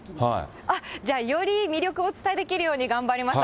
じゃあ、より魅力をお伝えできるように頑張ります。